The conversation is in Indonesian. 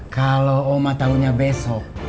kalo oma tahunya besok